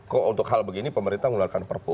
kok untuk hal begini pemerintah mengeluarkan perpu